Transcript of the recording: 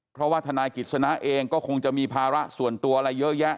เพราะว่าธนายกิจสนะเองก็คงจะมีภาระส่วนตัวอะไรเยอะแยะ